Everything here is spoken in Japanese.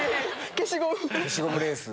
消しゴムレース。